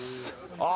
ああ。